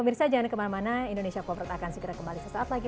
pemirsa jangan kemana mana indonesia forward akan segera kembali sesaat lagi